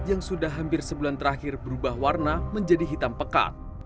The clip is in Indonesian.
yang sudah hampir sebulan terakhir berubah warna menjadi hitam pekat